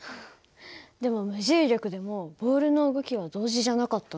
でも無重力でもボールの動きは同時じゃなかったね。